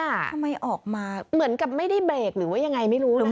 ทำไมออกมาเหมือนกับไม่ได้เบรกหรือว่ายังไงไม่รู้หรือเปล่า